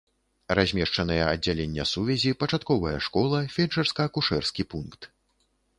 Размешчаныя аддзяленне сувязі, пачатковая школа, фельчарска-акушэрскі пункт.